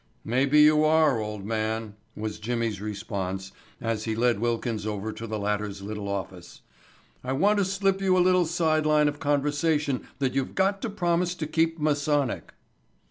"Maybe you are, old man," was Jimmy's response as he led Wilkins over to the latter's little office. "I want to slip you a little side line of conversation that you've got to promise to keep Masonic."